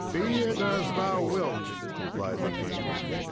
"Be it as thou wilt," replied the king.